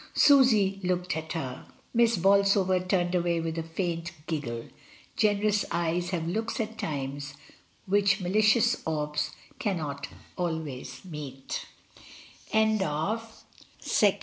Susy looked at her. Miss Bolsover turned away with a faint giggle. Generous eyes have looks at times which malicious orbs cannot always meet DAY BY DAY.